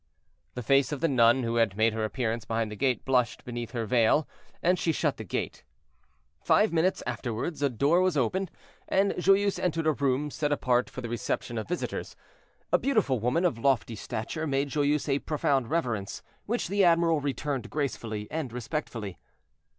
The face of the nun who had made her appearance behind the gate blushed beneath her veil, and she shut the gate. Five minutes afterward a door was opened, and Joyeuse entered a room, set apart for the reception of visitors. A beautiful woman, of lofty stature, made Joyeuse a profound reverence, which the admiral returned gracefully and respectfully.